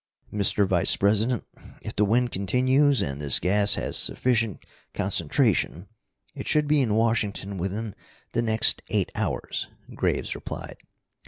"Mr. Vice president, if the wind continues, and this gas has sufficient concentration, it should be in Washington within the next eight hours." Graves replied.